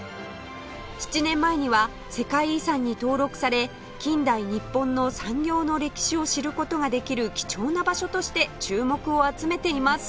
７年前には世界遺産に登録され近代日本の産業の歴史を知る事ができる貴重な場所として注目を集めています